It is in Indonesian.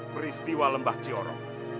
peristiwa lembah cioro